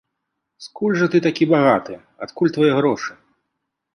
Скуль жа ты такі багаты, адкуль твае грошы?